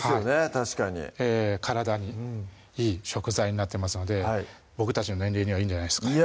確かに体にいい食材になってますので僕たちの年齢にはいいんじゃないですかね